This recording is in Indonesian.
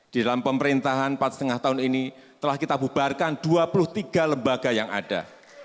di dalam pemerintahan empat lima tahun ini telah kita bubarkan dua puluh tiga lembaga yang ada